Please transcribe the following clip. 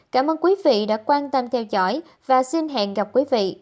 cảm ơn quý vị đã quan tâm theo dõi và xin hẹn gặp quý vị vào bản tin tiếp theo